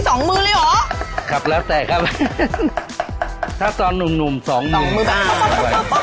สองมือเลยเหรอครับแล้วแต่ครับถ้าตอนหนุ่มหนุ่มสองมือสองมือบ้าง